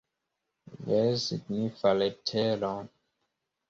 Vere signifa letero!